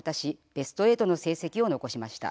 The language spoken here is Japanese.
ベスト８の成績を残しました。